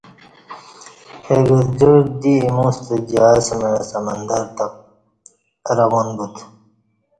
اہ گرجار دی ایمو ستہ جہاز مع سمندر تہ رواں بوتہ